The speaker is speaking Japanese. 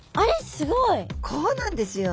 すごい。こうなんですよ。